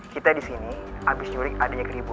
kita di sini abis nyurik adik ribu anak king warrior